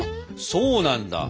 そうなんだ。